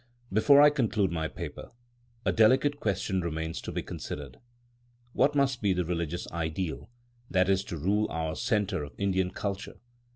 Before I conclude my paper, a delicate question remains to be considered. What must be the religious ideal that is to rule our centre of Indian culture?